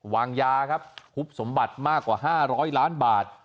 วางยาครับหุบสมบัติมากกว่า๕๐๐ล้านบาท